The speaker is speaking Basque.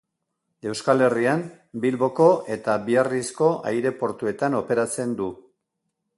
Euskal Herrian Bilboko eta Biarrizko aireportuetan operatzen du.